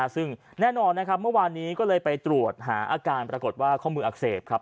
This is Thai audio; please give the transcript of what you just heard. ซึ่งแน่นอนนะครับเมื่อวานนี้ก็เลยไปตรวจหาอาการปรากฏว่าข้อมืออักเสบครับ